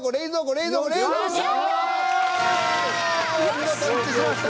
見事一致しました。